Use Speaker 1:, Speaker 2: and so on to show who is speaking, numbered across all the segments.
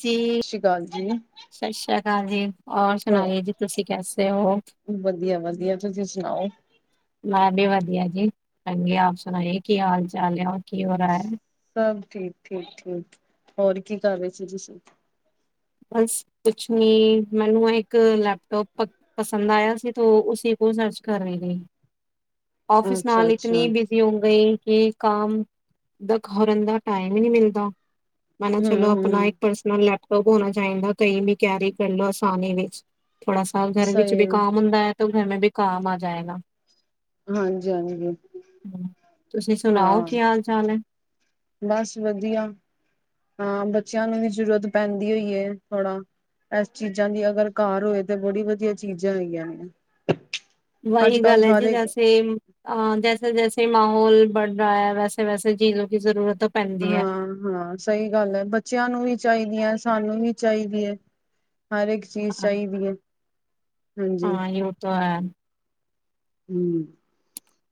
Speaker 1: ਜੀ,
Speaker 2: ਸਤਿ ਸ਼੍ਰੀ ਅਕਾਲ ਜੀ।
Speaker 1: ਸਤਿ ਸ੍ਰੀ ਅਕਾਲ ਜੀ ਹੋਰ
Speaker 2: ਹੋਰ
Speaker 1: ਸੁਣਾਈਏ ਜੀ ਤੁਸੀਂ ਕੈਸੇ ਹੋ?
Speaker 2: ਵਧੀਆ- ਵਧੀਆ, ਤੁਸੀਂ ਸੁਣਾਓ?
Speaker 1: ਮੈਂ ਵੀ ਵਧੀਆ ਜੀ, ਚੰਗੀ ਆਪ ਸੁਣਾਈਏ ਕੀ ਹਾਲ- ਚਾਲ ਆ, ਹੋਰ ਕੀ ਹੋ ਰਿਹਾ ਹੈ?
Speaker 2: ਸਭ ਠੀਕ- ਠੀਕ, ਠੀਕ ਹੋਰ ਕੀ ਕਰ ਰਹੇ ਸੀ ਤੁਸੀਂ?
Speaker 1: ਬਸ ਕੁਛ ਨੀ ਮੈਨੂੰ ਇੱਕ ਲੈਪਟੋਪ, ਪਸੰਦ ਆਇਆ ਸੀ ਤੇ ਉਸੀ ਕੋ ਸਰਚ ਕਰ ਰਹੀ ਥੀ। ਆਫਿਸ
Speaker 2: ਅੱਛਾ
Speaker 1: ਨਾਲ
Speaker 2: ਅੱਛਾ
Speaker 1: ਇਤਨੀ ਦੀ ਕਿਉਂ ਗਈ ਏ ਕੰਮ ਦੇਖ ਹਰਨ ਦਾ ਟਾਈਮ ਹੀ ਨੀ ਮਿਲਦਾ। ਮੈਂਨ ਚਲੋ
Speaker 2: ਹਮ
Speaker 1: ਆਪਣਾ
Speaker 2: ਹਮ
Speaker 1: ਇੱਕ ਪਰਸਨਲ ਲੈਪ- ਹੋਣਾ ਚਾਹੀਦਾ ਕਈ ਵੀ ਕੈਰੀ ਕਰਲੋ ਆਸਾਨੀ ਵਿੱਚ ਥੋੜਾ ਸਾ ਘਰ ਵਿੱਚ
Speaker 2: ਸਹੀ
Speaker 1: ਵੀ ਕੰਮ ਹੁੰਦਾ ਹੈ। ਫੇਰ ਘਰ ਮੈਂ ਭੀ ਕਾਮ ਆ ਜਾਏ ਗਾ।
Speaker 2: ਹਾਂਜੀ ਹਾਂਜੀ
Speaker 1: ਤੁਸੀਂ ਸੁਣਾਓ
Speaker 2: ਹਾਂ
Speaker 1: ਕੀ ਹਾਲ- ਚਾਲ ਐ?
Speaker 2: ਬਸ ਵਧੀਆ ਹਾਂ ਬੱਚਿਆਂ ਨੂੰ ਵੀ ਜ਼ਰੂਰਤ ਪੈਂਦੀ ਓ ਈ ਐ ਥੋੜਾ। ਇਸ ਚੀਜ਼ਾਂ ਦੀ ਅਗਰ ਘਰ ਹੋਏ ਤਾਂ ਬੜੀ ਵਧੀਆ ਚੀਜ਼ਾਂ ਹੈ ਗਿਆਂ ਨੇ। ਅੱਜ
Speaker 1: ਵਹੀ
Speaker 2: ਕੱਲ
Speaker 1: ਗੱਲ ਹੈ ਜੀ
Speaker 2: ਸਾਰੇ
Speaker 1: ਵੇਸੇਮ, ਅ ਜੈਸੇ- ਜੈਸੇ ਮਾਹੌਲ ਬੜ ਰਿਹਾ ਹੈ ਵੈਸੇ- ਵੈਸੇ ਚੀਜ਼ੋ ਕੀ ਜ਼ਰੂਰਤ,
Speaker 2: ਹਾਂ- ਹਾਂ ਸਹੀ ਗੱਲ ਐ, ਬੱਚਿਆਂ ਨੂੰ ਵੀ ਚਾਹੀਦੀਆਂ ਸਾਨੂੰ ਵੀ ਚਾਹੀਦੀ ਐ। ਹਰ ਇੱਕ ਚੀਜ਼ ਚਾਹੀਦੀ ਐ।
Speaker 1: ਹਾਂ ਯੂ ਤੋ ਐ।
Speaker 2: ਹੂੰ।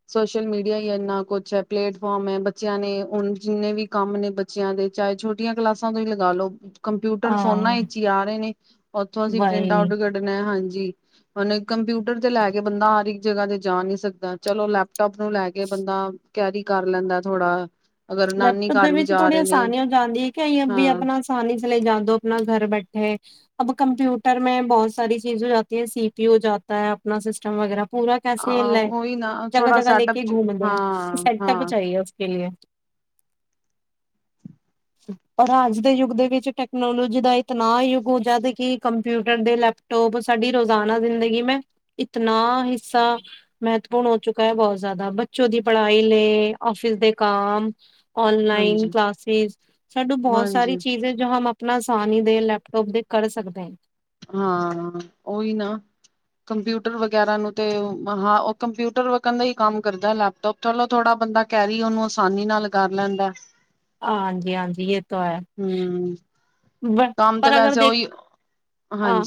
Speaker 2: ਸੋਸ਼ਲ ਮੀਡੀਆ ਹੀ ਇੰਨਾ ਕੁਛ ਹੈ ਪਲੇਟਫਾਰਮ ਹੈ ਬੱਚਿਆਂ ਨੇ ਹੁਣ ਜਿੰਨੇ ਵੀ, ਕੰਮ ਨੇ ਬੱਚਿਆਂ ਦੇ ਚਾਹੇ ਛੋਟੀਆਂ ਕਲਾਸਾਂ ਤੋਂ ਹੀ ਲਗਾ ਲੋ। ਕੰਪਿਊਟਰ ਫੋਨਾ ਇਚ ਈ ਆ ਰਹੇ ਨੇ ਉੱਥੋਂ ਅਸੀਂ ਪ੍ਰਿੰਟ ਆਊਟ ਕਡ, ਨਾ ਐ ਹਾਂਜੀ ਹੁਨ ਕੰਪਿਊਟਰ ਤੇ ਲੈ ਕੇ ਬੰਦਾ ਹਰ- ਜਗਾ ਤੇ ਜਾ ਨੀ ਸਕਦਾ ਚਲੋ ਲੈਪਟੋਪ ਨੂੰ ਲੈ ਕੇ ਬੰਦਾ ਕੈਰੀ ਕਰ ਲੈਂਦਾ ਥੋੜਾ। ਅਗਰ ਨਾਨੀ
Speaker 1: ਲੈਪਟੋਪ ਦੇ
Speaker 2: ਘਰ ਵੀ
Speaker 1: ਵਿੱਚ
Speaker 2: ਜਾ
Speaker 1: ਥੋੜੀ
Speaker 2: ਰਹੇ ਨੇ
Speaker 1: ਆਸਾਨੀ ਹੋ ਜਾਂਦੀ ਹੈ ਕਿ ਅਸੀ
Speaker 2: ਹਾਂ
Speaker 1: ਵੀ ਆਪਣਾ, ਅਸਾਨੀ ਸੇ ਲੇ ਜਾਂਦੇ ਹੋ ਆਪਣਾ ਘਰ ਬੈਠੇ। ਅਬ ਕੰਪਿਊਟਰ ਮੈਂ ਬਹੁਤ ਸਾਰੀ ਚੀਜ਼ ਹੋ ਜਾਤੀ ਹੈ ਸੀ ਪੀ ਹੋ ਜਾਤਾ ਹੈ ਆਪਣਾ ਸਿਸਟਮ ਵਗੈਰਾ। ਪੂਰਾ ਕੈ ਸੇ
Speaker 2: ਆ
Speaker 1: ਲੈ
Speaker 2: ਉਹੀ ਨਾ
Speaker 1: ਜਗਾ-
Speaker 2: ਥੋੜਾ
Speaker 1: ਜਗਾ ਲੈ
Speaker 2: ਸੈਟਅਪ
Speaker 1: ਕੇ ਘੁੰਮਦੇ ਏ
Speaker 2: ਹਾਂ
Speaker 1: ਸੈਟਅਪ
Speaker 2: ਹਾਂ
Speaker 1: ਚਾਹੀਏ ਉਸਕੇ ਲੀਏ। ਪਰ ਅੱਜ ਦੇ ਯੁੱਗ ਦੇ ਵਿੱਚ ਟੈਕਨੋਲੋਜੀ ਦਾ ਇਤਨਾ ਯੁੱਗ ਹੋ ਜਾਂਦਾ ਕਿ ਕੰਪਿਊਟਰ ਦੇ ਲੈਪ- ਟੋਪ ਸਾਡੀ ਰੋਜ਼ਾਨਾ ਜ਼ਿੰਦਗੀ ਮੈਂ, ਇਤਨਾ ਹਿੱਸਾ। ਮਹੱਤਵਪੂਰਨ ਹੋ ਚੁੱਕਾ ਐ ਬਹੋਤ ਜ਼ਾਦਾ ਬੱਚੋ ਦੀ ਪੜਾਈ ਲੈ, ਆਫਿਸ ਦੇ ਕਾਮ, ਔਨਲਾਈਨ
Speaker 2: ਹਾਂਜੀ
Speaker 1: ਕਲਾਸਿਸ ਸਡੂ ਬਹੋਤ ਸਾਰੀ
Speaker 2: ਹਾਂਜੀ
Speaker 1: ਚੀਜ਼ ਐ ਜੋ ਹਮ ਅਪ- ਨਾ ਅਸਾਨੀ ਦੇ ਲੈਪਟੋਪ ਦੇ ਕਰ ਸਕਦੇ ਹੈ।
Speaker 2: ਹਾਂ ਉਹੀ ਨਾ। ਕੰਪਿਊਟਰ ਵਗੈਰਾ ਨੂੰ ਤੇ ਹਾਂ ਉ ਕੰਪਿਊਟਰ ਵਾਕਣ ਦਾ ਈ ਕੰਮ ਕਰਦਾ ਐ ਲੈਪਟੋਪ। ਚਲੋ ਥੋੜਾ ਬੰਦਾ ਕੈਰੀ ਉਹਨੂੰ ਆਸਾਨੀ ਨਾਲ ਕਰ ਲੈਂਦਾ।
Speaker 1: ਆਂਜੀ- ਆਂਜੀ ਯੇ ਤੋ ਐ।
Speaker 2: ਹੂੰ ਕੰਮ ਤਾਂ ਵੈਸੇ ਓਹੀ
Speaker 1: ਆਂ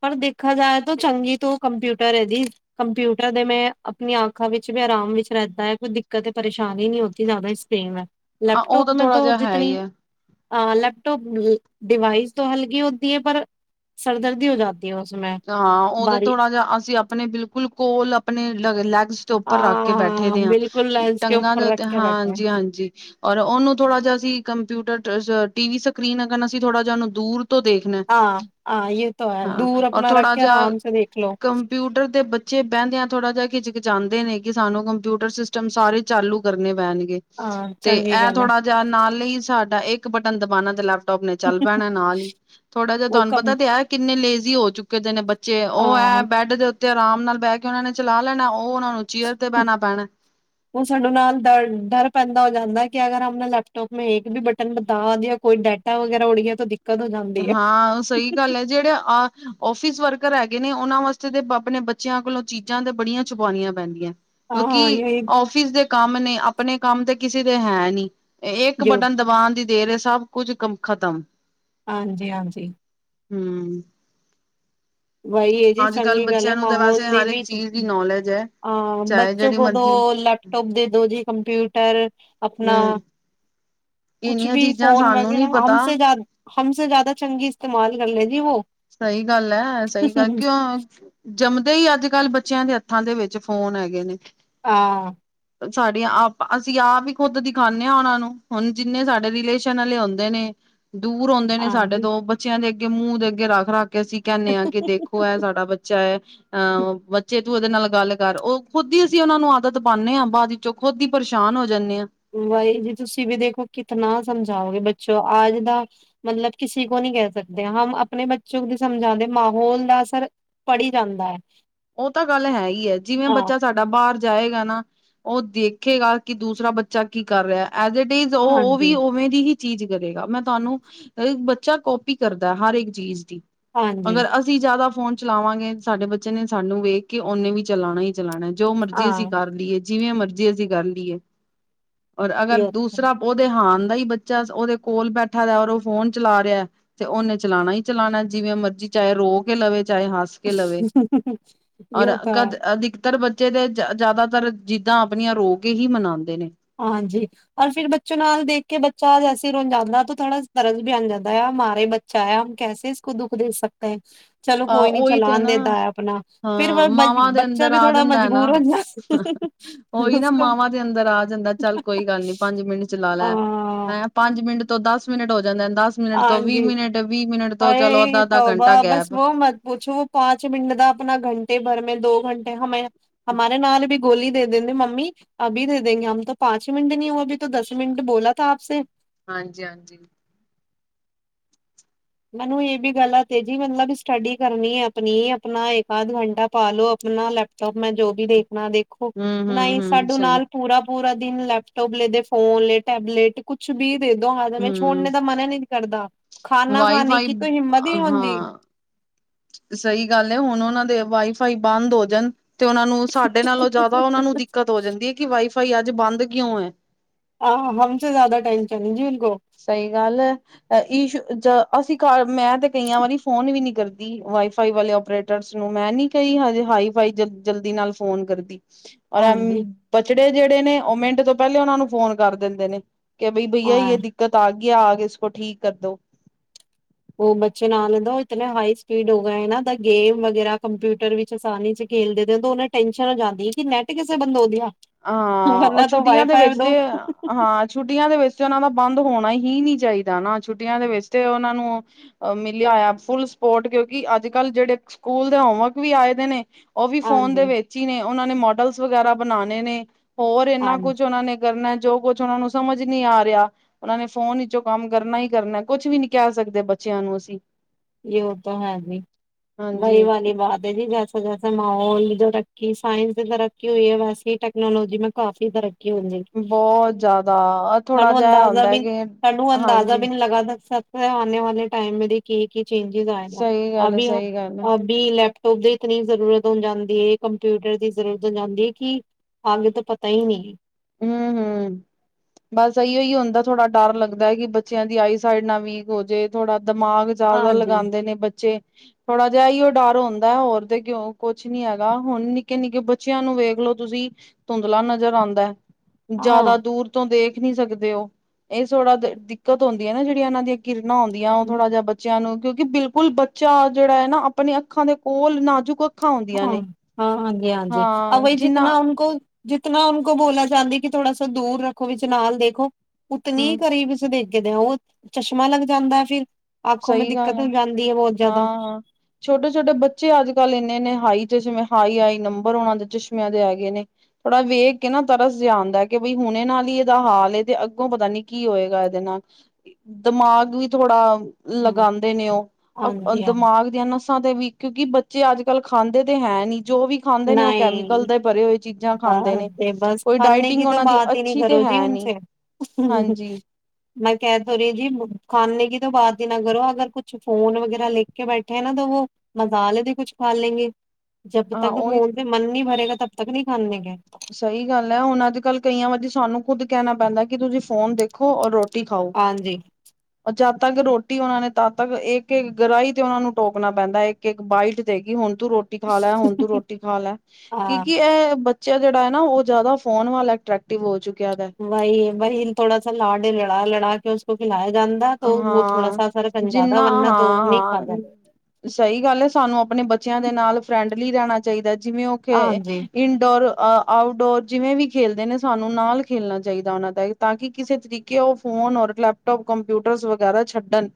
Speaker 1: ਪਰ ਦੇਖਾ ਜਾਏ ਤੋ ਚੰਗੀ ਤੋ ਕੰਪਿਊਟਰ ਐ ਜੀ। ਕੰਪਿਊਟਰ ਦੇ ਮੈਂ ਆਪਣੀਆਂ ਅੱਖਾਂ ਵਿੱਚ ਵੀ ਆਰਾਮ ਵਿੱਚ ਰਹਿਤਾ ਐ ਕੋਈ ਦਿੱਕਤ ਪਰੇਸ਼ਾਨੀ ਨੀ ਹੋਤੀ ਜਾ਼ਦਾ ਇਸਮ ਸੇਮ ਐ
Speaker 2: ਉਹ
Speaker 1: ਲੈਪਟੋਪ
Speaker 2: ਤਾਂ
Speaker 1: ਮੇ
Speaker 2: ਥੋੜਾ
Speaker 1: ਤੋਂ
Speaker 2: ਜਿਹਾ ਹੈ ਹੀ
Speaker 1: ਜਿਤਨੀ
Speaker 2: ਹੈ
Speaker 1: ਅ ਲੈਪਟੋਪ ਵ ਡਿਵਾਈਸ ਤੋ ਹਲਕੀ ਹੋਤੀ ਐ ਪਰ ਸਰਦਰਦੀ ਹੋ ਜਾਤ ਤੀ ਉਸ ਮੈਂ।
Speaker 2: ਹਾਂ ਉਹਦੇ ਥੋੜਾ ਜਿਆ ਅਸੀਂ ਆਪਣੇ ਬਿਲਕੁਲ ਕੋਲ ਆਪਣੇ ਲ ਲੈਗਸ ਤੋ ਉੱਪਰ ਰੱਖ ਕੇ ਬੈਠੇ ਦੇ ਆ ਟੰਗਾਂ ਦੇ ਉੱਤੇ ਹਾਂ ਹਾਂਜੀ- ਹਾਂਜੀ ਔਰ ਉਹਨੂੰ ਥੋੜਾ ਜਿਹਾ ਅਸੀਂ ਕੰਪਿਊਟਰ ਟਸ ਟੀ ਵੀ ਸਕਰੀਨ ਅਗਨ ਅਸੀਂ ਥੋੜਾ ਜਿਆ ਉਹਨੂੰ ਦੂਰ ਤੋਂ ਦੇਖ
Speaker 1: ਹਾਂ, ਹਾਂ ਯੇ ਤੋ ਐ, ਦੂਰ
Speaker 2: ਔਰ
Speaker 1: ਆਪਣਾ ਰੱਖ
Speaker 2: ਥੋੜਾ
Speaker 1: ਕੇ
Speaker 2: ਜਿਹਾ
Speaker 1: ਆਰਾਮ ਸੇ ਦੇਖ ਲੋੋ।
Speaker 2: ਕੰਪਿਊਟਰ ਤੇ ਬੱਚੇ ਬਹਿੰਦਿਆਂ ਥੋੜ੍ਹਾ ਜਾ ਖਿਚਕਿਚਉਂਦੇ ਨੇ ਕਿ ਸਾਨੂੰ ਕੰਪਿਊਟਰ ਸਿਸਟਮ ਸਾਰੇ ਚਾਲੂ ਕਰਨੇ ਪੈਣਗੇ ਤੇ ਐਹ ਥੋੜਾ ਜਿਹਾ ਨਾਲੇ ਹੀ ਸਾਡਾ ਇੱਕ ਬਟਨ ਦਬਾਨਾ ਤੇ ਲੈਪ ਟੋਪ ਨੇ ਚੱਲ ਪੈਣਾ ਨਾਲ ਈ, ਥੋੜਾ ਜਿਹਾ ਤੁਹਾਨੂੰ ਪਤਾ ਤੇ ਐ ਕਿੰਨੇ ਲੇਜ਼ੀ ਹੋ ਚੁੱਕ ਦੇ ਨੇ ਬੱਚੇ, ਉਹ ਐਹ ਬੈਡ ਦੇ ਉੱਤੇ ਆਰਾਮ ਨਾਲ ਬਹਿ ਕੇ ਉਹਨਾਂ ਨੇ ਚਲਾ ਲੈਣਾ ਉਹ ਉਹਨਾਂ ਨੂੰ ਚੇਅਰ ਤੇ ਬੈਣਾ ਪੈਣਾ।
Speaker 1: ਉਹ ਸਾਡੇ ਨਾਲ ਦਰ ਡਰ ਪੈਂਦਾ ਹੋ ਜਾਂਦਾ ਕਿ ਅਗਰ ਹਮਨੇ ਲੈਪਟੋਪ ਮੇ ਏਕ ਬੀ ਬਟ ਨ ਬਤਾ ਦੀਆਂ, ਕੋਈ ਡੇਟਾ ਵਗੈਰਾ ਉੱਡ ਗਿਆ ਤੋ ਦਿੱਕ
Speaker 2: ਹਾਂ, ਓ ਸਹੀ ਗੱਲ ਐ, ਜਿਹੜੇ ਆਹ ਓਫਿਸ ਵਰਕਰ ਹੈਗੇ ਨੇ, ਉਹਨਾਂ ਵਾਸਤੇ ਤੇ ਆਪਣੇ ਬੱਚਿਆਂ ਕੋਲੋਂ ਚੀਜ਼ਾਂ ਤੇ ਬੜੀਆਂ ਛੁਪਉਣੀਆਂ ਪੈਂਦੀਆਂ। ਕਿਉਂਕਿ ਆਫਿਸ ਦੇ ਕੰਮ ਨੇ, ਆਪਣੇ ਕੰਮ ਤੇ ਕਿਸੇ ਦੇ ਹੈ ਨਹੀਂ। ਇੱਕ ਬਟਨ ਦਬਾਣ ਦੀ ਦੇਰ ਏ, ਸਭ ਕੁਝ ਕਮ ਖ਼ਤਮ।
Speaker 1: ਹਾਂਜੀ, ਹਾਂਜੀ।
Speaker 2: ਹੂੰ।
Speaker 1: ਵਹੀ ਏ ਜੀ,
Speaker 2: ਕੱਲ੍ਹ
Speaker 1: ਚੰਗੀ ਗੱਲ
Speaker 2: ਬੱਚਿਆਂ
Speaker 1: ਐ,
Speaker 2: ਨੂੰ ਤਾਂ
Speaker 1: ਮਾਹੌਲ
Speaker 2: ਵੈਸੇ
Speaker 1: ਦੀ
Speaker 2: ਹਰ ਇੱਕ
Speaker 1: ਵੀ
Speaker 2: ਚੀਜ਼ ਦੀ ਨੌਲੇਜ ਹੈ
Speaker 1: ਹਾਂ
Speaker 2: ਚਾਹੇ
Speaker 1: ਬੱਚੋ
Speaker 2: ਜਿਹੜੀ
Speaker 1: ਕੋ ਤੋ
Speaker 2: ਮਰਜ਼ੀ
Speaker 1: ਲੈਪਟੋਪ ਦੇ ਦੋ ਜੀ, ਕੰਪਿਊਟਰ ਆਪਣਾ
Speaker 2: ਹਮ
Speaker 1: ਕੁਛ
Speaker 2: ਇੰਨੀਆਂ
Speaker 1: ਵੀ
Speaker 2: ਚੀਜ਼ਾਂ
Speaker 1: ਫੋਨ
Speaker 2: ਸਾਨੂੰ ਨੀ
Speaker 1: ਵਗੈਰਾ,
Speaker 2: ਪਤਾ
Speaker 1: ਹਮਸੇ ਜ਼ਿਆਦ, ਹਮਸੇ ਜ਼ਿਆਦਾ ਚੰਗੀ ਇਸਤੇਮਾਲ ਕਰ ਲੇ ਗੀ ਵੋ।
Speaker 2: ਸਹੀ ਗੱਲ ਐ, ਸਹੀ ਗੱਲ ਅ ਕਿਉਂ ਜੰਮਦੇ ਈ ਅੱਜ-ਕੱਲ੍ਹ ਬੱਚਿਆਂ ਦੇ ਹੱਥਾਂ ਦੇ ਵਿੱਚ, ਫੋਨ ਹੈਗੇ ਨੇ।
Speaker 1: ਆ।
Speaker 2: ਸ ਸਾਡੀਆਂ ਆਪ ਅਸੀਂ ਆਪਹ ਹੀ ਖੁਦ ਦਿਖਾਨੇ ਆ ਉਹਨਾਂ ਨੂੰ, ਹੁਣ ਜਿੰਨੇ ਸਾਡੇ ਰਿਲੇਸ਼ ਸ਼ਨ ਆਲੇ ਹੁੰਦੇ ਨੇ। ਦੂਰ ਹੁੰਦੇ ਨੇ ਸਾਡੇ ਤੋਂ, ਬੱਚਿਆਂ ਦੇ ਅੱਗੇ ਮੂੰਹ ਦੇ ਅੱਗੇ ਰੱਖ-ਰੱਖ ਕੇ ਅਸੀਂ ਕਹਿੰਨੇ ਆ ਕਿ ਦੇਖ ਖੋ ਐਹ ਸਾਡਾ ਬੱਚਾ ਐ। ਅਹ ਬੱਚੇ ਤੂੰ ਉਹਦੇ ਨਾਲ ਗੱਲ ਕਰ। ਉਹ ਖੁਦ ਹੀ ਅਸੀਂ ਉਹਨਾਂ ਨੂੰ ਆਦਤ ਪਾਨੇ ਆ, ਬਾਅਦ ਵਿੱਚ ਓ ਖੁਦ ਈ ਪਰੇਸ਼ਾਨ ਹੋ ਜਾਨੇ ਆ।
Speaker 1: ਵਹੀ ਜੀ, ਤੁਸੀਂ ਵੀ ਦੇਖੋ ਕਿਤਨਾ ਸਮਝਾਓਗੇ, ਬੱਚੋ ਆਜ ਦਾ ਮਤਲਬ ਕਿਸੀ ਕੋ ਨੀ ਕਹਿ ਸਕਤੇ, ਹਮ ਆਪਣੇ ਬੱਚੋ ਕੋ ਸਮਝਾਉਂਦੇ ਮਾਹੌਲ ਦਾ ਅਸਰ ਪੜੀ ਜਾਂਦਾ ਐ।
Speaker 2: ਉਹ ਤਾਂ ਗੱਲ ਹੈ ਹੀ ਐ, ਜਿਵੇਂ ਬੱਚਾ ਸਾਡੇ ਸਾਡਾ ਬਾਹਰ ਜਾਏਗਾ ਨਾ, ਉਹ ਦੇਖੇਗਾ ਕਿ ਦੂਸਰਾ ਬੱਚਾ ਕੀ ਕਰ ਰਿਹਾ ਐ। ਐਜ ਇਟ ਇਜ਼ ਉਹ
Speaker 1: ਹਾਂਜੀ
Speaker 2: ਉਵੇਂ ਦੀ ਹੀ ਚੀਜ਼ ਕਰੇਗਾ, ਮੈਂ ਤੁਹਾਨੂੰ, ਬੱਚਾ ਕਾਪੀ ਕਰਦਾ ਹੈ, ਹਰ ਇੱਕ ਚੀਜ਼ ਦੀ।
Speaker 1: ਹਾਂਜੀ
Speaker 2: ਅਗਰ ਅਸ ਅਸੀਂ ਜ਼ਿਆਦਾ ਫੋਨ ਚਲਾਵਾਂਗੇ, ਸਾਡੇ ਬੱਚੇ ਨੇ ਸਾਨੂੰ ਵੇਖ ਕੇ, ਉਹਨੇ ਵੀ ਚਲਾਣਾ ਏ ਚਲਾਣਾ ਏ, ਜੋ ਮਰਜ਼ੀ ਅਸੀਂ
Speaker 1: ਹਾਂ
Speaker 2: ਕਰ ਲਈਏ, ਜਿਵੇਂ ਮਰਜ਼ੀ ਅਸੀ ਕਰ ਲਈਏ। ਔਰ ਅਗਰ
Speaker 1: ਯੋ
Speaker 2: ਦੂਸਰਾ ਉਹਦੇ ਹਾਣ ਦਾ ਹੀ ਬੱਚਾ ਉਹਦੇ ਕੋਲ ਬੈਠਾ ਦਾ, ਔਰ ਉਹ ਫੋਨ ਚਲਾ ਰਿਹਾ ਤੇ ਉਹਨੇ ਚਲਾਣਾ ਹੀ ਚਲਾਣਾ। ਜਿਵੇਂ ਮਰਜ਼ੀ ਚਾਹੇ ਰੋ ਕੇ ਲਵੇ, ਚਾਹੇ ਹੱਸ ਕੇ ਲਵੇ
Speaker 1: ਹਾ ਹਾ ਹਾ ਹਾ
Speaker 2: ਔਰ ਕ ਅਧਿਕਤਰ ਬੱਚੇ ਦੇ ਜ਼ਿਆਦਾਤਰ, ਜਿੱਦਾਂ ਆਪਣੀਆਂ ਰੋ ਕੇ ਹੀ ਮਨਾਉਂਦੇ ਨੇ।
Speaker 1: ਹਾਂਜੀ। ਔਰ ਫਿਰ ਬੱਚੋਂ ਨਾਲ ਦੇਖ ਕੇ ਬੱਚਾ ਜੈਸੇ ਰੁਜ ਜਾਂਦਾ ਤਾਂ ਥੋੜ੍ਹਾ ਤਰਸ ਵੀ ਆ ਜਾਂਦਾ ਆ ਮਾਰੇ ਬ ਚਾਹੇ ਹਮ ਕੈਸੇ ਇਸ ਕੋ ਦੁੱਖ ਦੇ ਸਕਤੇ ਹੈ। ਚਲੋ ਕੋਈ
Speaker 2: ਅਹ
Speaker 1: ਨੀ
Speaker 2: ਉਹੀ ਤੇ
Speaker 1: ਚਲਾਨ
Speaker 2: ਨਾ
Speaker 1: ਦੇਦਾ ਆਪਣਾ, ਫਿਰ
Speaker 2: ਹਾਂ ਮਾਵਾਂ ਦੇ
Speaker 1: ਬੱਚਾ
Speaker 2: ਅੰਦਰ
Speaker 1: ਵੀ
Speaker 2: ਆ
Speaker 1: ਥੋੜਾ
Speaker 2: ਜਾਂਦਾ ਹੈ ਨਾ
Speaker 1: ਮਜਬੂਰ ਹੁੰਦਾ।
Speaker 2: ਉਹੀ ਨਾ ਮਾਵਾਂ ਦੇ ਅੰਦਰ ਆ ਜਾਂਦਾ, ਚੱਲ ਕੋਈ ਗੱਲ ਨੀ ਪੰਜ ਮਿੰਟ ਚਲਾ ਲੈ, ਹੈਂ ਪੰਜ ਮਿੰਟ ਤੋਂ ਦਸ ਮਿੰਟ ਹੋ ਜਾਂਦੇ ਦਸ ਮਿੰਟ ਤੋਂ ਵੀਹ ਮਿੰਟ ਵੀਹ ਮਿੰਟ ਤੋਂ ਚਲੋ ਅੱਧਾ ਅੱਧਾ ਘੰਟਾ ਗੈਪ
Speaker 1: ਮਤ ਪੁੱਛੋ ਪਾਾਂਚ ਮਿੰਟ ਦਾ ਆਪਣਾ ਘੰਟੇ ਭਰ ਮੈਂ ਦੋ ਘੰਟੇ ਹਮੇ ਹਮਾਰ ਨਾਲ ਵੀ [unintelligible] ਗੋਲੀ ਦੇ ਦਿੰਦੇ ਮੰਮੀ ਅਭੀ ਦੇ ਦਿੰਗੇ ਹਮ ਤਾਂ ਪਾ ਪੰਜਚ ਹੀ ਮਿੰਟ ਨਹੀਂ ਹੋ ਅਭ ਤੋਂ ਦਸ ਮਿੰਟ ਬੋਲਾਥ ਆਪੇ [unintelligible]
Speaker 2: ਹਾਂਜੀ ਹਾਂਜੀ
Speaker 1: ਮੈਨੂੰ ਇਹ ਵੀ ਗਲਤ ਤੇ ਜੀ ਮਤਲਬ ਸਟੱਡੀ ਕਰਨੀ ਹੈ ਆਪਣੀ ਆਪਣਾ ਇੱਕ ਅੱਧ ਘੰਟਾ ਪਾਾਲੋ ਆਪਣਾ ਲੈ ਆਪਣਾ ਜੋ ਵੀ ਦੇਖਣਾ ਦੇਖੋ
Speaker 2: ਹੂੰ ਹੂੰ
Speaker 1: ਨਾਈ
Speaker 2: ਹੂੰ
Speaker 1: ਸਾਡੂੰ
Speaker 2: ਸਹੀ
Speaker 1: ਨਾਲ ਪੂਰਾ ਪੂਰਾ ਦਿਨ ਲੈਪਟੋਪ ਲ ਦੇ ਫੋਨ ਲ ਟੈਬਲੇਟ ਕੁਛ ਵੀ ਦੇ ਦੋ ਹਦ ਮੈਂ
Speaker 2: ਹੂੰ
Speaker 1: ਛੋੜਨੇ ਦਾ ਮਨ ਨੀ ਕਰਦਾ ਖਾਾਨਾ ਖਾਣੇ
Speaker 2: ਵਾਈਫਾਈ
Speaker 1: ਕਿ ਤੋ ਹਿੰਮਤ ਨ ਹੁੰਦੀ
Speaker 2: ਹਾਂ ਸਹੀ ਗੱਲ ਹੈ ਹੁਣ ਉਹਨਾਂ ਦੇ ਵਾਈਫਾਈ ਬੰਦ ਹੋ ਜਾਣ ਤੇ ਉਹਨਾਂ ਨੂੰ ਸਾਡੇ ਨਾਲੋਂ ਜ਼ਿਆਦਾ ਉਹਨਾਂ ਨੂੰ ਦਿੱਕਤ ਹੋ ਜਾਂਦੀ ਹੈ ਕਿ ਵਾਈਫਾਈ ਅੱਜ ਬੰਦ ਕਿਉਂ ਹੈ
Speaker 1: ਹਾਂ ਹਮ ਸੇ ਜ਼ਿਆਦਾ ਟੈਂਨ ਸ਼ਨ ਜੀ ਉਨ ਕੋ
Speaker 2: ਸਹੀ ਗੱਲ ਹੈ ਈਸ਼ੂ ਅਸੀਂ ਘ ਮੈਂ ਤੇ ਕਈਆਂ ਵਾਰੀ ਫੋਨ ਵੀ ਨੀ ਕਰਦੀ ਵਾਈਫਾਈ ਵਾਲੇ ਓਪਰੇਟ ਨੂੰ ਮੈਂ ਨੀ ਕਹੀ ਹਜੇ ਹਾਈ ਫਾਈ ਜਲਦੀ ਨਾਲ ਫੋਨ ਕਰਦੀ ਔਰ ਬਚੜੇ ਜਿਹੜੇ ਨੇ ਉਹ ਮਿੰਟ ਤੋਂ ਪਹਿਲੇ ਉਹਨਾ ਨੂੰ ਫੋਨ ਕਰ ਦਿੰਦੇ ਨੇ ਕਿ ਬਾਈ ਭਈਆ ਇਹ ਦਿੱਕਤ ਆ ਗਈ ਆ ਕੇ ਇਸ ਕੋ ਠੀਕ ਕਰ ਦੋ
Speaker 1: ਉਹ ਬੱਚੇ ਨਾ ਲੈਂਦਾ ਉਹ ਇਤੇ ਹਾਈ ਸਪੀਡ ਹੋ ਗਏ ਨਾ ਤਾਂ ਗੇਮ ਵਗੈਰਾ ਕੰਪਿਊਟਰ ਵਿੱਚ ਆਸਾਨੀ ਚ ਖੇਲਦੇ ਉਹੇ ਟੈਨਸ਼ਨ ਹੋ ਜਾਂਦੀ ਹੈ ਕਿ ਨੈਟ ਕਿਸੇ ਬੰਦਾ ਹੋ ਗੇਆ
Speaker 2: ਹਾਂ ਉਹ ਛੁੱਟੀਆਂ ਦੇ ਵਿੱਚ ਜ ਹਾਂ ਛੁੱਟੀਆਂ ਦੇ ਵਿੱਚ ਤੇ ਉਹਨਾਂ ਦਾ ਬੰਦ ਹੋਣਾ ਹੀ ਨੀ ਚਾਹੀਦਾ ਨਾ ਛੁੱਟੀਆਂ ਦੇ ਵਿੱਚ ਤੇ ਉਹਨਾਂ ਨੂੰ ਮਿਲਿਆ ਹੋਇਆ ਫੁਲ ਸਪੋਰਟ ਕਿਉਂਕਿ ਅੱਜ ਕੱਲ ਜਿਹੜੇ ਸਕੂਲ ਦੇ ਹੋਮਵਰਕ ਵੀ ਆਏ ਦੇ ਨੇ ਉਹ ਵੀ ਫੋਨ ਦੇ ਵਿੱਚ ਹੀ ਨੇ ਉਹਨਾਂ ਨੇ ਮੋਡਲਸ ਵਗੈਰਾ ਬਣਾਣੇ ਨੇ ਹੋਰ ਇਨਾ ਕੁਛ ਉਹਨਾਂ ਨੇ ਕਰਨਾ ਜੋ ਕੁਛ ਉਹਨਾਂ ਨੂੰ ਸਮਝ ਨਹੀਂ ਆ ਰਿਹਾ ਉਹਨਾਂ ਨੇ ਫੋਨ ਵਿਚੋਂ ਕੰਮ ਕਰਨਾ ਹੀ ਕਰਨਾ ਕੁਛ ਵੀ ਨੀ ਕਹਿ ਸਕਦੇ ਬੱਚਿਆਂ ਨੂੰ ਅਸੀਂ
Speaker 1: ਇਹ ਉਹ ਤਾਂ ਹੈ ਨੀ
Speaker 2: ਹਾਂਜੀ
Speaker 1: ਵਈ ਵਾਲੀ ਬਾਤ ਮੇਰੀ ਗਲ ਸੁਣੋ ਜੈਸਾ ਮਾਹੌਲ ਤਰੱਕੀ ਸਾਇੰਸ ਤਰੱਕੀ ਹੋਈ ਹੈ ਵੈਸੇ ਹੀ ਟੈਕਨੋਲੋਜੀ ਮੈਂ ਕਾਫ਼ੀ ਤਰੱਕੀ
Speaker 2: ਬਹੁਤ ਜ਼ਿਆਦਾ ਥੋੜਾ
Speaker 1: ਸਾਨੂੰ
Speaker 2: ਜਿਹਾ
Speaker 1: ਅੰਦਾਜ਼ਾ
Speaker 2: ਹੁੰਦਾ
Speaker 1: ਵੀ
Speaker 2: ਕਿ
Speaker 1: ਸਾਨੂੰ ਅੰਦਾਜ਼ਾ ਵੀ
Speaker 2: ਹਾਂਜੀ
Speaker 1: ਨਹੀਂ ਲਗਾ ਸਕ ਆਣੇ ਵਾਲੇ ਟਾਈਮ ਮ ਕੀ ਕੀ ਚੇਂਜੇਜ ਆਏਗਾ
Speaker 2: ਸਹੀ ਗੱਲ ਹੈ ਸਹੀ ਗੱਲ ਹੈ
Speaker 1: ਅਭ ਵੀ ਲੈਪਟੋਪ ਦੀ ਇਤਨੀ ਜ਼ਰੂਰਤ ਹੋ ਜਾਂਦੀ ਹੈ ਕੰਪਿਊਟਰ ਦੀ ਜ਼ਰੂਰਤ ਹੋ ਜਾਂਦੀ ਹੈ ਕਿ ਹਾਲੇ ਤਾਂ ਪਤਾ ਹੀ ਨਹੀਂ
Speaker 2: ਹਮ ਹਮ ਬਸ ਇਹੀੋਓ ਹੀ ਹੁੰਦਾ ਥੋੜਾ ਡਰ ਲੱਗਦਾ ਕਿ ਬੱਚਿਆਂ ਦੀ ਆਈਸਾਈਡ ਨਾ ਵੀਕ ਹੋ ਜਾੇ ਥੋੜਾ ਦਿਮਾਗ ਜ਼ਿਆਦਾ
Speaker 1: ਹਾਂਜੀ
Speaker 2: ਲਗਾਂਦੇ ਨੇ ਬੱਚੇ ਥੋੜ੍ਹਾ ਜਿਹਾ ਅਈਓ ਡਰ ਹੁੰਦਾ ਹੋਰ ਤੇ ਕਿਉ ਕੁਛ ਨੀ ਹੈਗਾ ਹੁਣ ਨਿੱਕੇ ਨਿੱਕੇ ਬੱਚਿਆਂ ਨੂੰ ਵੇਖ ਲੋ ਤੁਸੀਂ ਧੁੰਦਲਾ ਨਜ਼ਰ ਆਉਂਦਾ ਹੈ
Speaker 1: ਹਾਂ
Speaker 2: ਜ਼ਿਆਦਾ ਦੂਰ ਤੋਂ ਦੇਖ ਨੀ ਸਕਦੇ ਹੋ ਇਹ ਥੋੜ੍ਹਾ ਦਿੱਕਤ ਹੁੰਦੀ ਹੈ ਨਾ ਜਿਹੜੀਆਂ ਇਹਨਾਂ ਦੀਆਂ ਕਿਰਨਾਂ ਹੁੰਦੀਆਂ ਥੋੜਾ ਜੇਹਾ ਬੱਚਿਆਂ ਨੂੰ ਕਿਉਂਕਿ ਬਿਲਕੁਲ ਬੱਚਾ ਜਿਹੜਾ ਹੈ ਨਾ ਆਪਣੀ ਅੱਖਾਂ ਦੇ ਕੋਲ ਨਾਜੁਕ
Speaker 1: ਹਾਂ ਹਾਂ ਹਾਂਜੀ ਹਾਂਜੀ ਅ
Speaker 2: ਹਾਂ
Speaker 1: ਵਹੀ
Speaker 2: ਜਿੰਨਾ
Speaker 1: ਜਿਤਨਾ ਉਨ ਕੋ ਜਿਤਨਾ ਉਹ ਕੋ ਬੋਲ ਚਾਹੁੰਦੀ ਕਿ ਥੋੜਾ ਸ ਦੂਰ ਰੱਖੋ ਵਿਚ ਨਾਲ ਦੇਖੋ ਉਤਨੀ
Speaker 2: ਹੂੰ
Speaker 1: ਕਰੀਬਸੇ ਦੇਖ ਉਹ ਚਸ਼ਮਾ ਲੱਗ ਜਾਂਦਾ ਹੈ ਫਿਰ ਆਖੋ ਮੈ
Speaker 2: ਸਹੀ
Speaker 1: ਦਿੱਕਤ ਹੋ ਜਾਂਦੀ ਹੈ ਬਹੁਤ ਜ਼ਿਆਦਾ
Speaker 2: ਛੋਟੇ- ਛੋਟੇ ਬੱਚੇ ਅੱਜ ਕੱਲ੍ਹ ਇੰਨੇ ਇੰਨੇ ਹਾਈ ਚਸ਼ਮੇ ਹਾਈ- ਹਾਈ ਨੰਬਰ ਉਹਨਾਂ ਦੇ ਚਸ਼ਮਿਆਂ ਦੇ ਹੈਗੇ ਨੇ। ਥੋੜਾ ਵੇਖ ਕੇ ਨਾ ਤਰਸ ਜੇਆ ਆਂਦਾ ਕਿ ਬਈ ਹੁਣੇ ਨਾਲ ਹੀ ਇਹਦਾ ਹਾਲ ਏ ਤੇ ਅੱਗੋਂ ਪਤਾ ਨੀ ਕੀ ਹੋਏਗਾ ਇਹਦੇ ਨਾਲ ਦਿਮਾਗ ਵੀ ਥੋੜ੍ਹਾ ਲਗਾਂਦੇ ਨੇ ਉਹ ਅ
Speaker 1: ਹਾਂਜੀ ਹਾਂ
Speaker 2: ਦਿਮਾਗ ਦੀਆਂ ਨਸਾਂ ਤੇ ਵੀ ਕਿਉਂਕਿ ਬੱਚੇ ਅੱਜ-ਕੱਲ ਖਾਂਦੇ ਤੇ ਹੈ ਨੀ ਜੋ ਵੀ ਖਾਂਦੇ ਨੇ ਓ ਕੈਮੀਕਲ ਦੇ ਭਰੇ ਹੋਏ। ਚੀਜ਼ਾਂ ਖਾਂਦੇ
Speaker 1: ਬਸ
Speaker 2: ਨੇ।
Speaker 1: ਤੇ ਬਸ
Speaker 2: ਕੋਈ
Speaker 1: ਖਾਨੇ
Speaker 2: ਡਾਇਟਿੰਗ
Speaker 1: ਕੀ ਤੋ
Speaker 2: ਉਹਨਾਂ ਦੀ
Speaker 1: ਬਾਤ ਈ ਨੀ
Speaker 2: ਅੱਛੀ ਤੇ
Speaker 1: ਕਰੋ ਜੀ
Speaker 2: ਹੈ ਨੀ
Speaker 1: ਉਨਸੇ।
Speaker 2: ਹਾਂਜੀ
Speaker 1: ਮੈਂ ਕੈ ਤੋ ਰਈ ਥੀ ਖਾਨੇ ਕੀ ਤੋ ਬਾਤ ਈ ਨਾ ਕਰੋ ਅਗਰ ਕੁਛ ਫੋਨ ਵਗੈਰਾ ਲੇ ਕੇ ਬੈਠੇ ਐ ਨਾ ਤੋ ਵੋ ਮਜ਼ਾਲ ਐ ਦੀ ਕੁਛ ਖਾ ਲੇਂਗੇ, ਜਬ
Speaker 2: ਹਾਂ
Speaker 1: ਤੱਕ
Speaker 2: ਉਹੀ
Speaker 1: ਫੋਨ ਪੇ ਮਨ ਨੀ ਬਰੇਗਾ ਤਬ ਤੱਕ ਨੀ ਖਾਨੇ ਗੇ।
Speaker 2: ਸਈ ਗੱਲ ਐ ਹੁਣ ਅੱਜ-ਕੱਲ ਕਈਆਂ ਵਾਰੀ ਸਾਨੂੰ ਖੁਦ ਕੈਣਾ ਪੈਂਦਾ ਕਿ ਤੁਸੀਂ ਫੋਨ ਦੇਖੋ ਔਰ ਰੋ ਟੀ ਖਾਓ। ਜਦ ਤੱਕ ਰੋਟੀ ਓਨਾਂ ਨੇ ਤਦ ਤੱਕ ਇੱਕ-ਇੱਕ ਗਰਾਈ ਤੇ ਓਨਾਂ ਨੂੰ ਟੋਕਣਾ ਪੈਂਦਾ ਏ। ਇੱਕ ਬਾਈਟ ਦੇਗੀ ਹੁਣ ਤੂੰ ਰੋਟੀ ਖਾ ਲੈ ਹੁਣ ਤੂੰ ਰੋਟੀ ਖਾ ਲੈ ਕੀ ਕੀ ਏਹ ਬੱ ਬੱਚਾ ਜੇੜਾ ਐ ਨਾ ਓ ਜਾਦਾ ਫੋਨ ਵੱਲ ਅਟਰੈਕਟਿਵ ਹੋ ਚੁੱਕਿਆ ਦੈ।
Speaker 1: ਵਈ ਏ, ਵਹੀ ਥੋੜਾ ਸਾ ਲਾਡ ਲਡਾ-ਲਡਾ ਕੇ ਓਸ [inaudible]
Speaker 2: ਹਾਂ ਸਈ ਗੱਲ ਐ ਸਾਨੂੰ ਆਪਣੇ ਬੱਚੇਆਂ ਦੇ ਨਾਲ ਫਰੈਂਡਲੀ ਰੈਣਾ ਚਾਈਦਾ ਜਿਵੇਂ ਓ ਖੇ ਇਨਡੋਰ ਅ ਆਊਟਡੋਰ ਜਿਵੇਂ ਵੀ ਖੇਲਦੇ ਨੇ ਸਾਨੂੰ ਨਾਲ ਖੇਲਣਾ ਚਾਈਦਾ ਓਨਾਂ ਦਾ ਤਾਂ ਕਿ ਕਿਸੇ ਤਰੀਕੇ ਕਿ ਓ ਫੋਨ ਔਰ ਲੈਪਟੋਪ, ਕੰਪਿਊਟਰਸ ਵਗੈਰਾ ਛੱਡਣ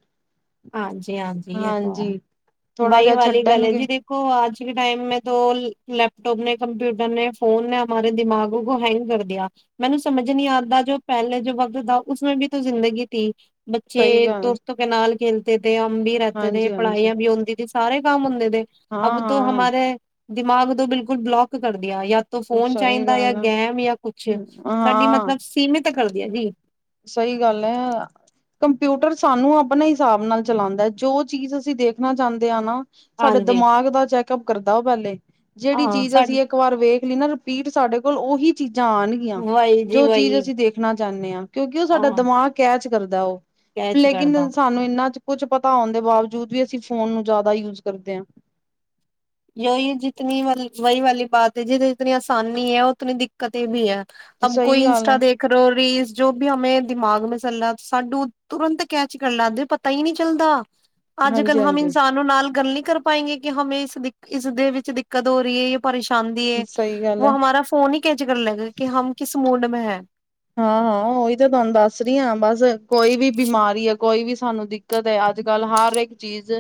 Speaker 1: ਹਾਂਜੀ-ਹਾਂਜੀ ਯੇ ਤੋ ਹੈ,
Speaker 2: ਹਾਂਜੀ ਥੋੜਾ
Speaker 1: ਵਈ
Speaker 2: ਜਿਹਾ
Speaker 1: ਵਾਲੀ ਗੱਲ ਐ
Speaker 2: ਛੱਡਣਗੇ
Speaker 1: ਜੀ ਦੇ ਹੋ ਅੱਜ ਕੇ ਟਾਈਮ ਮੇਂ ਤੋ ਲੈਪਟਾਪ ਨੇ, ਕੰਪਿਊਟਰ ਨੇ, ਫੋਨ ਨੇ ਹਮਾਰੇ ਦਿਮਾਗੋ ਕੋ ਹੈਂ ਗ ਕਰ ਦੀਆ, ਮੈਨੂੰ ਸਮਜ ਨੀ ਆਂਦਾ ਪੈਹਲੇ ਜੋ ਵਕਤ ਥਾ ਉਸਮੇਂ ਵੀ ਜਿੰਦਗੀ ਥੀ। ਬੱਚੇ
Speaker 2: ਸਹੀ ਗੱਲ
Speaker 1: ਦੋਸਤੋ ਕੇ ਨਾਲ ਖੇਲਤੇ ਥੇ, ਹਮ ਬੀ ਰਹਤੇ ਥੇ,
Speaker 2: ਹਾਂਜੀ ਹਾਂਜੀ
Speaker 1: ਪੜਾਈਆ ਵੀ ਹੁੰਦੀ ਥੀ ਸਾਰੇ ਕੰਮ ਹੁੰਦੇ ਥੇ,
Speaker 2: ਹਾਂ
Speaker 1: ਅਬ ਤੋ
Speaker 2: ਹਾਂ
Speaker 1: ਹਮਾਰੇ ਥੇ ਦਿਮਾਗ ਤੋਂ ਬਿਲਕੁਲ ਬਲੋਕ ਕਰਦੀਆਂ ਯਾ ਤੋਂ ਫੋਨ
Speaker 2: ਸਹੀ
Speaker 1: ਚਾਈਂਦਾ ਯਾ
Speaker 2: ਗੱਲ ਹੈ
Speaker 1: ਗੈਮ ਯਾ ਕੁਛ ਸਾਡੀ ਮਤਲਬ ਸੀਮਤ ਕਰਦੀਆ ਜੀ।
Speaker 2: ਸਈ ਗੱਲ ਐ। ਕੰਪਿਊਟਰ ਸਾਨੂੰ ਆਪਣੇ ਹਿਸਾਬ ਨਾਲ ਚਲਾਂਦਾ ਐ ਜੋ ਚੀਜ਼ ਅਸੀਂ ਦੇਖਣਾ ਚਾਂਦੇ ਆਂ ਨਾ ਸਾਡੇ
Speaker 1: ਹਾਂਜੀ
Speaker 2: ਦਿਮਾਗ ਦਾ ਚੈਕਅਪ ਕਰਦਾ ਓ ਪੈਲੇ ਜੇੜੀ
Speaker 1: ਹਾਂ
Speaker 2: ਚੀਜ਼
Speaker 1: ਸਾ
Speaker 2: ਅਸੀਂ ਇੱਕ ਵਾਰ ਵੇਖ ਲਈ ਨਾ ਰਿਪੀਟ ਸਾਡੇ ਕੋਲ ਓਹੀ ਚੀਜਾਂ ਆਂਣਗੀਆਂ
Speaker 1: ਵਹੀ ਜੀ
Speaker 2: ਜੋ ਚੀਜ਼
Speaker 1: ਵਹੀ
Speaker 2: ਅਸੀਂ ਦੇਖ ਦੇਖਨਾ ਚਾਨੇ ਆਂ ਕਿਉਂਕਿ ਓ ਸਾਡਾ
Speaker 1: ਹਾਂ
Speaker 2: ਦਿਮਾਗ ਕੈਚ ਕਰਦਾ ਓ,
Speaker 1: ਕੈਚ ਕਰਦਾ
Speaker 2: ਲੇਕਿਨ ਸਾਨੂੰ ਇੰਨਾ ਕੁਛ ਪਤਾ ਹੋਣ ਦੇ ਬਾਵਜੂਦ ਵੀ ਅਸੀਂ ਫੋਨ ਨੂੰ ਜਾਦਾ ਯੂਜ਼ ਕਰਦੇ ਆਂ।
Speaker 1: ਯਈ ਆ ਜਿਤਨੀ ਮਤਲ ਵਈ ਵਾਲੀ ਬਾਤ ਐ ਜਿ ਜਿਤਨੀ ਅਸਾਨੀ ਐ ਓਤਨੀ ਦਿੱਕਤੇ ਵੀ ਐ। ਅਬ ਕੋਈ
Speaker 2: ਸਹੀ ਗੱਲ
Speaker 1: ਇੰਸਟਾ
Speaker 2: ਹੈ
Speaker 1: ਦੇਖ [unintelligible] ਜੋ ਵੀ ਹਮੇ ਦਿਮਾਗ ਮੇ ਚਲ ਰਹਾ ਸਾਡੂ ਤੁਰੰਤ ਕੈਚ ਕਰ ਲਾਦੇ ਸਾਨੂੰ ਪ ਤਾ ਈ ਨੀ ਚੱਲਦਾ। ਅੱਜ-ਕੱਲ
Speaker 2: ਹਾਂਜੀ
Speaker 1: ਹਮ
Speaker 2: ਹਾਂਜੀ
Speaker 1: ਇਨਸਾਨੋ ਨਾਲ ਗੱਲ ਨੀ ਕਰ ਪਾਏਂਗੇ ਕੀ ਹਮੇ ਇਸ ਦਿੱਕਤ ਇਸ ਦੇ ਵਿਚ ਦਿੱਕਤ ਹੋ ਰਈ ਏ ਯੇ ਪਰੇਸ਼ਾਂਦੀ ਐ,
Speaker 2: ਸਹੀ ਗੱਲ
Speaker 1: ਵੋ
Speaker 2: ਹੈ
Speaker 1: ਹਮਾਰਾ ਫੋਨ ਈ ਕੈਚ ਕਰ ਲੇਗਾ ਕੀ ਹਮ ਕਿਸ ਮੂਡ ਮੇਂ ਹੈ।
Speaker 2: ਹਾਂ-ਹਾਂ ਓਹੀ ਤਾਂ ਤੁਆਨੂੰ ਦੱਸ ਰੀ ਆਂ ਬਸ ਕੋਈ ਵੀ ਬਿਮਾਰੀ ਆ ਕੋਈ ਵੀ ਸਾਨੂੰ ਦਿੱ ਕਤ ਏ ਅੱਜ-ਕੱਲ ਹਰ ਇੱਕ ਚੀਜ਼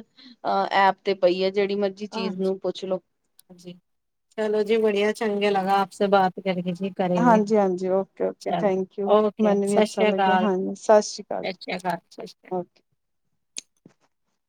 Speaker 2: ਐਪ ਤੇ ਪਈ ਐ ਜੇੜੀ ਮਰਜੀ ਚੀਜ਼ ਨੂੰ ਪੁੱਛ ਲੋੋ।
Speaker 1: ਹਾਂਜੀ, ਚਲੋ ਜੀ ਬੜੀਆ ਚੰਗੇ ਲਗਾ ਆਪ ਸੇ ਬਾਤ ਕਰਕੇ ਜੀ।
Speaker 2: ਹਾਂਜੀ-ਹਾਂਜੀ, ਓਕੇ-ਓਕੇ, ਥੈਂਕ ਯੂ ਮੈਨੇ ਵੀ ਅੱਛਾ ਲੱਗਿਆ ਹਾਂਜੀ ਸਸ਼੍ਰੀ
Speaker 1: ਸਸ਼੍ਰੀਆ ਕਾਲ, ਸਸ਼੍ਰੀ ਕਾਲ।